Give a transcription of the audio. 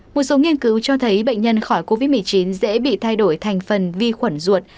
một số nghiên cứu cho thấy bệnh nhân khỏi covid một mươi chín dễ bị thay đổi thành phần vi khuẩn ruột